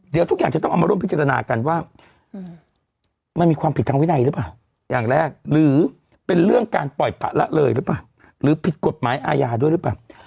เดี๋ยวทุกอย่างจะต้องเอามาร่วมพิจารณากันว่ามันมีความผิดทางวินัยหรือเปล่าอย่างแรกหรือเป็นเรื่องการปล่อยปะละเลยหรือเปล่าหรือผิดกฎหมายอาญาด้วยหรือเปล่า